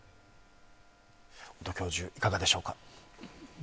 音教授、いかがでしょうか。